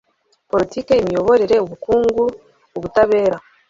politiki, imiyoborere, ubukungu, ubutabera